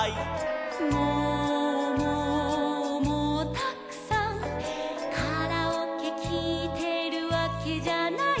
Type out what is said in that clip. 「モーモーもうたくさん」「カラオケきいてるわけじゃない」